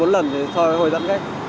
ba bốn lần thì so với hồi dẫn đấy